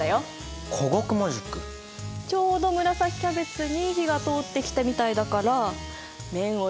ちょうど紫キャベツに火が通ってきたみたいだから麺を入れるよ。